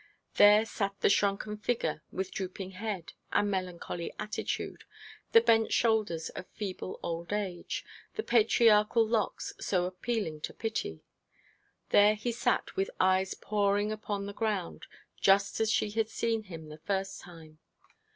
There sat the shrunken figure, with drooping head, and melancholy attitude the bent shoulders of feeble old age, the patriarchal locks so appealing to pity. There he sat with eyes poring upon the ground just as she had seen him the first time.